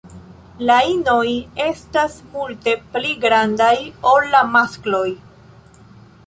La inoj estas multe pli grandaj ol la maskloj.